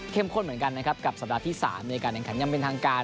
ข้นเหมือนกันนะครับกับสัปดาห์ที่๓ในการแข่งขันยังเป็นทางการ